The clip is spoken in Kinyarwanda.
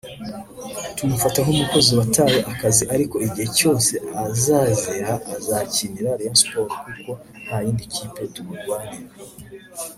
tumufata nk’umukozi wataye akazi ariko igihe cyose azazira azakinira Rayon Sports kuko nta yindi kipe tumurwanira